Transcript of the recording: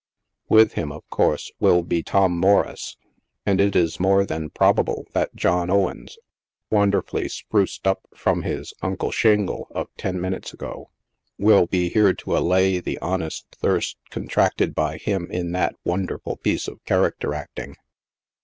With him, of course, will be Tom Morris, and it is more than probable that John Owens, wonderfully spruced up from his lt Uncle Shingle" of ten minutes ago, will be here to allay the honest thirst contracted by him in that wonderful piece of character acting.